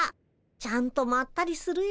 ちゃんとまったりするよ。